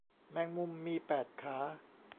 แมงมุม มีแปดขา